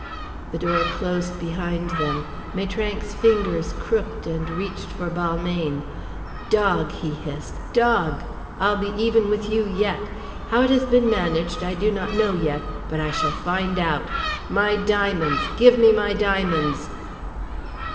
The door closed behind them. Maitrank's fingers crooked and reached for Balmayne. "Dog," he hissed, "dog, I'll be even with you yet. How it has been managed I do not know yet, but I shall find out. My diamonds, give me my diamonds."